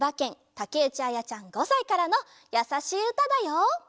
たけうちあやちゃん５さいからの「やさしいうた」だよ。